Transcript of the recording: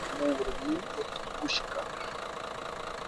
Muru muru tukushka.